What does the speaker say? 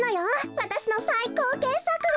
わたしのさいこうけっさくが。